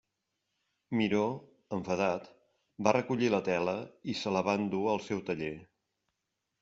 Miró, enfadat, va recollir la tela i se la va endur al seu taller.